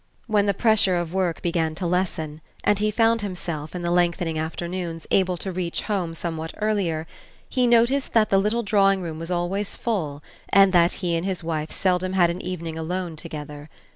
When the pressure of work began to lessen, and he found himself, in the lengthening afternoons, able to reach home somewhat earlier, he noticed that the little drawing room was always full and that he and his wife seldom had an evening alone together.